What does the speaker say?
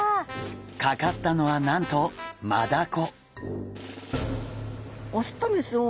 かかったのはなんとマダコ！